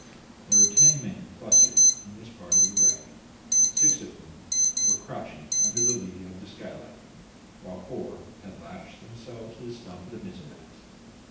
There were ten men clustered in this part of the wreck, six of whom were crouching under the lee of the skylight, while four had lashed themselves to the stump of the mizzenmast.